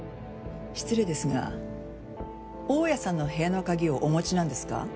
失礼ですが大家さんの部屋の鍵をお持ちなんですか？